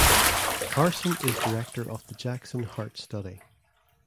Carson is director of the Jackson Heart Study.